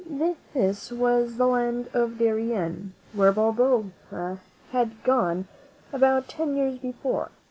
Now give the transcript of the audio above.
This was the land of Darien, where Balboa had gone about ten years before.